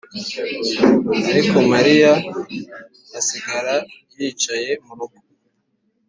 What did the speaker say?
ariko Mariya asigara yicaye mu rugo